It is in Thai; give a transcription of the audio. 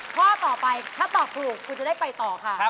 ข้อต่อไปถ้าตอบถูกคุณจะได้ไปต่อค่ะ